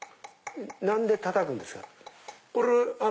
何でたたくんですか？